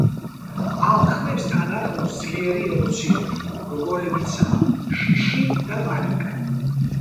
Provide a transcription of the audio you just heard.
ამ ხმებს თან ახლავს ძლიერი ემოციები, როგორებიცაა შიში და პანიკა.